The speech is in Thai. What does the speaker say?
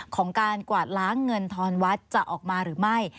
ของการกวาดล้างเงินทอนวัดจะออกมาหรือไม่